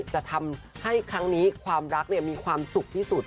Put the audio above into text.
จะทำให้ครั้งนี้ความรักมีความสุขที่สุด